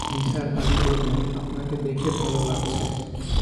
নিসার আলি বললেন, আপনাকে দেখে ভালো লাগছে।